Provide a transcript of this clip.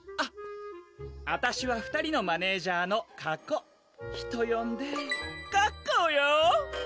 あたしは２人のマネージャーの加古人よんでカッコーよ！